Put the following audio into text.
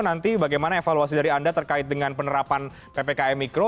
nanti bagaimana evaluasi dari anda terkait dengan penerapan ppkm mikro